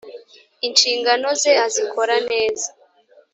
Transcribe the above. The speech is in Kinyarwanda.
inshingano ze azikoraneza.